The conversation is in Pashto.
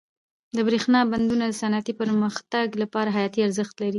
د برښنا بندونه د صنعتي پرمختګ لپاره حیاتي ارزښت لري.